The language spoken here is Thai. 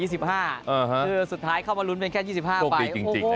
สุดท้ายเข้ามารุ้นเป็นแค่๒๕ใบโอ้โห